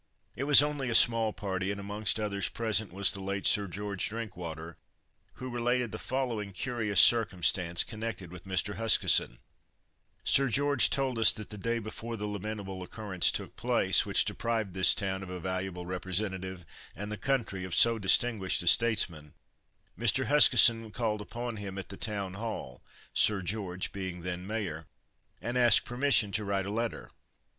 It was only a small party, and amongst others present was the late Sir George Drinkwater, who related the following curious circumstance connected with Mr. Huskisson: Sir George told us that the day before the lamentable occurrence took place, which deprived this town of a valuable representative, and the country of so distinguished a statesman, Mr. Huskisson called upon him at the Town Hall (Sir George being then Mayor), and asked permission to write a letter.